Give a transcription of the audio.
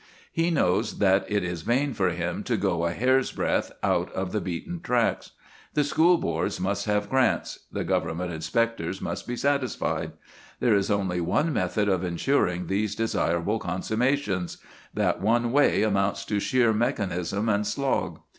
He knows that it is vain for him to go a hair's breadth out of the beaten tracks. The school boards must have grants; the Government inspectors must be satisfied. There is only one method of ensuring these desirable consummations: that one way amounts to sheer mechanism and slog.